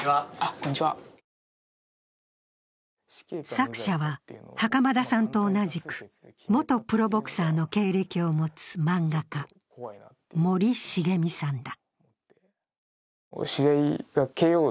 作者は袴田さんと同じく元プロボクサーの経歴を持つ漫画家・森重水さんだ。